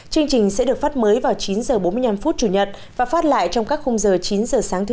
chương trình sẽ được phát mới vào chín h bốn mươi năm chủ nhật và phát lại trong các khung giờ chín h sáng thứ hai